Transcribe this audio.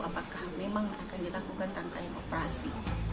apakah memang akan dilakukan rangkaian operasi